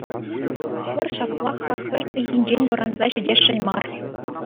Пӑр ҫаплах-ха хӗл ыйхинчен вӑранса ҫитесшӗн мар.